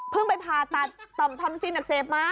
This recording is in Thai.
เพิ่งไปพาตัดทำซีนอักเสบมา